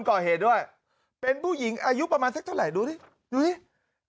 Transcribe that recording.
ก่อเหตุด้วยเป็นผู้หญิงอายุประมาณสักเท่าไหร่ดูดิดูดิ